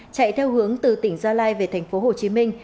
chạy theo hướng từ tỉnh gia lai về thành phố hồ chí minh